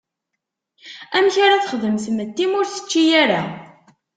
Amek ara texdem tmetti ma ur tečči ara?